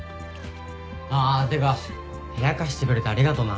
あってか部屋貸してくれてありがとな。